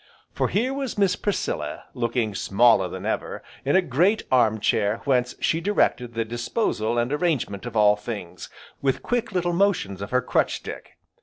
For here was Miss Priscilla, looking smaller than ever, in a great arm chair whence she directed the disposal and arrangement of all things, with quick little motions of her crutch stick.